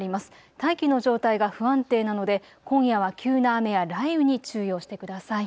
大気の状態が不安定なので今夜は急な雨や雷雨に注意をしてください。